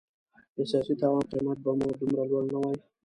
د سیاسي تاوان قیمت به مو دومره لوړ نه وای.